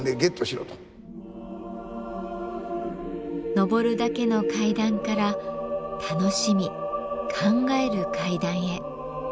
上るだけの階段から楽しみ考える階段へ。